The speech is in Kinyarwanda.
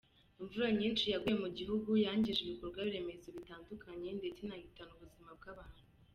Imvura nyinshi yaguye mu gihugu yangije ibikorwaremezo bitandukanye ndetse inahitana ubuzima bw’abantu.